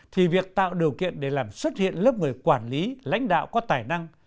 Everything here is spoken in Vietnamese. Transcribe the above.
thì việc tạo điều kiện để làm xuất hiện lớp người quản lý lãnh đạo có tài năng